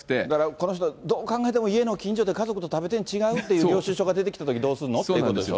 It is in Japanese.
この人、どう考えても、家の近所で家族で食べてんの違う？っていう領収書が出てきたときどうするのってことですよね。